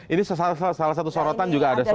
ini salah satu sorotan juga ada soal